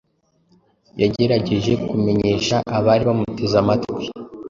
Yagerageje kumenyesha abari bamuteze amatwi